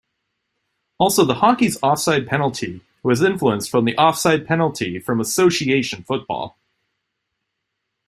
Also the hockey's offside penalty was influenced from the offside penalty from Association football.